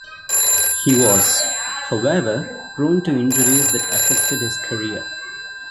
He was, however, prone to injuries that affected his career.